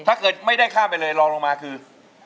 ถ้าเกิดไม่ได้ข้ามไปเลยลองลงมาคือ